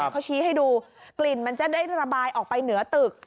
เขาชี้ให้ดูกลิ่นมันจะได้ระบายออกไปเหนือตึก